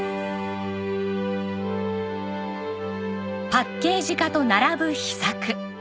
パッケージ化と並ぶ秘策